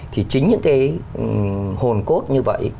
thì chính những cái hồn cốt như vậy